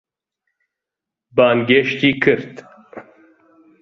بانگێشتی کرد.